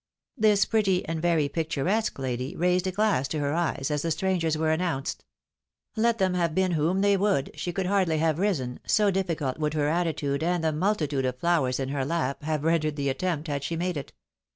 This pretty and very picturesque lady raised a glass to her eye as the strangers were announced. Let them have been whom they would, she could hardly have risen, so difficult would her attitude, and the multitude of flowers in her lap, have ren dered the attempt, had she made it.